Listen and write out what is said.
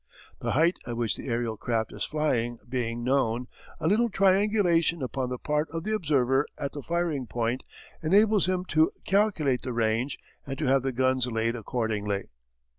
The height at which the aerial craft is flying being known, a little triangulation upon the part of the observer at the firing point enables him to calculate the range and to have the guns laid accordingly.